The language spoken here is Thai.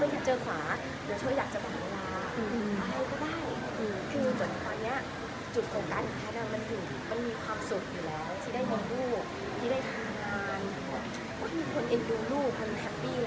อันนี้ออปชันสอง